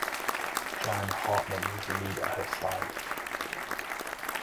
Jan Hartmann was the lead at her side.